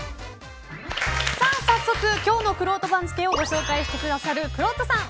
早速、今日のくろうと番付をご紹介してくださるくろうとさん